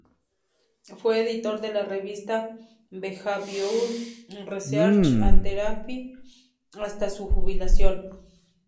Fue editor de la revista "Behaviour Research and Therapy" hasta su jubilación.